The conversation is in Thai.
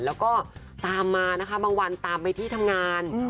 แล้วก็ตามมานะคะบางวันตามไปที่ทำงาน